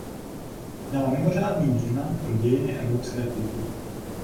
Měla mimořádný význam pro dějiny evropské kultury.